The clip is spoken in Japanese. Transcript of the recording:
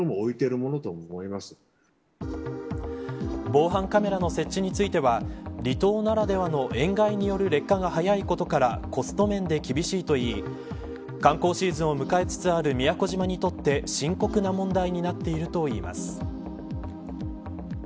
防犯カメラの設置については離島ならではの塩害による劣化が早いことからコスト面で厳しいといい観光シーズンを迎えつつある宮古島にとって深刻な問題になっているといいます。